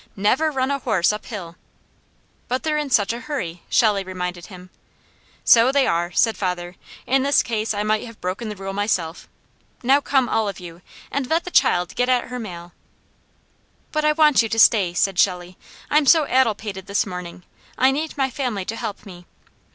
"Never run a horse up hill!" "But they're in such a hurry," Shelley reminded him. "So they are," said father. "In this case I might have broken the rule myself. Now come all of you, and let the child get at her mail." "But I want you to stay," said Shelley. "I'm so addle pated this morning. I need my family to help me."